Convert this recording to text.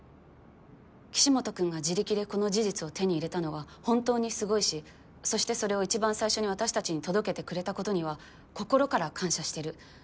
岸本君が自力でこの事実を手に入れたのは本当にすごいしそしてそれを一番最初に私たちに届けてくれたことには心から感謝してる。